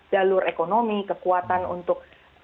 jalur ekonomi kekuatan untuk